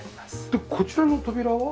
でこちらの扉は？